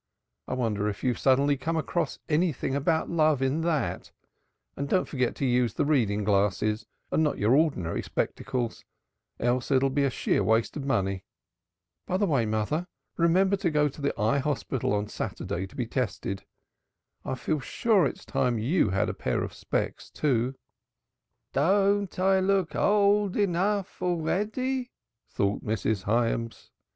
I wonder if you've suddenly come across anything about love in that, and don't forget to use the reading glasses and not your ordinary spectacles, else it'll be a sheer waste of money. By the way, mother, remember to go to the Eye Hospital on Saturday to be tested. I feel sure it's time you had a pair of specs, too." "Don't I look old enough already?" thought Mrs. Hyams.